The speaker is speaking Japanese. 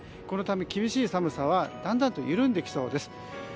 このため厳しい寒さはだんだんと緩んできそうです。